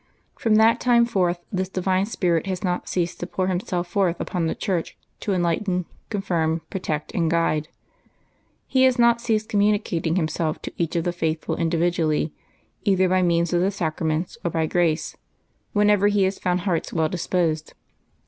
From that time forth this divine Spirit has not ceased to pour Himself forth upon the Church to enlighten, confirm, protect, and guide; He has not ceased communicating Himself to each of the faithful individually, either by means of the sacraments or by gTace, whenever He has found hearts well disposed.